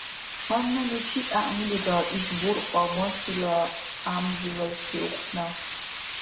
Гьанна ну чис гӏягӏнилира иш буркьа махьила гӏямзилавси ухъна?